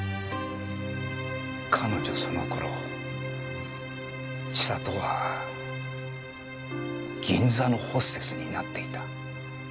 彼女その頃千里は銀座のホステスになっていた。